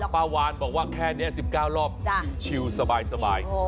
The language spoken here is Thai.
ป้าวานบอกว่าแค่นี้๑๙รอบชิวสบาย